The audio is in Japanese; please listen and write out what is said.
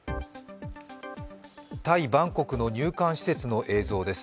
タイ・バンコクの入管施設の映像です。